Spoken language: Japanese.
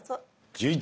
１１。